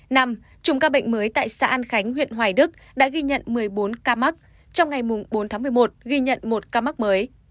nằm chung ca bệnh mới tại xã an khánh huyện hoài đức đã ghi nhận một mươi bốn ca mắc trong ngày bốn tháng một mươi một ghi nhận một ca mắc mới